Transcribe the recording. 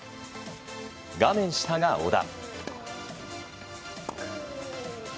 画面下が小田。